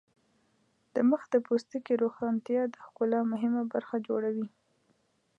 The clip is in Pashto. د مخ د پوستکي روښانتیا د ښکلا مهمه برخه جوړوي.